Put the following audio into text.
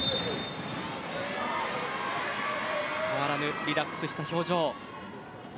変わらぬリラックスした表情。